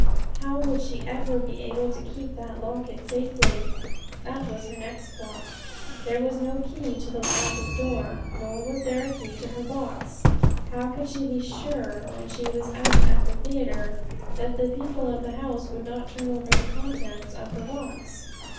How would she ever be able to keep that locket safely? that was her next thought. There was no key to the attic door, nor was there a key to her box. How could she be sure, when she was out at the theatre, that the people of the house would not turn over the contents of her box?